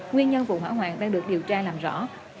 nguyên nhân vụ hỏa hoạn đang được điều tra làm rõ